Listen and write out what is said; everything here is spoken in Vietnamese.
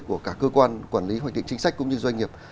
của cả cơ quan quản lý hoạch định chính sách cũng như doanh nghiệp